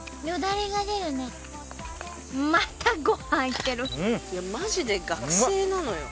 いやマジで学生なのよ。